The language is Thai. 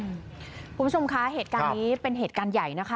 คุณผู้ชมคะเหตุการณ์นี้เป็นเหตุการณ์ใหญ่นะคะ